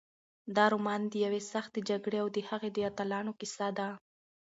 دا رومان د یوې سختې جګړې او د هغې د اتلانو کیسه ده.